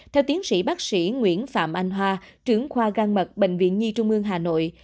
theo tiến sĩ bác sĩ nguyễn phạm anh hoa trưởng khoa gan mật bệnh viện nhi trung ương hà nội